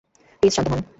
Please শান্ত হোন।